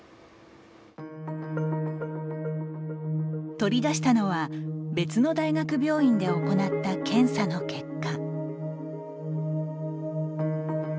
取り出したのは別の大学病院で行った検査の結果。